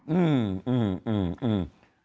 อืมอืมอืมอืม